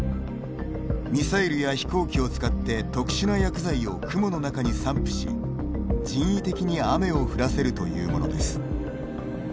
ミサイルや飛行機を使って特殊な薬剤を雲の中に散布し人為的に雨を降らせるというものです。